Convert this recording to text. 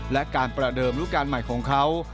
และการประเดิมรูปการณ์ใหม่ของเขา